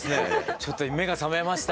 ちょっと目が覚めました。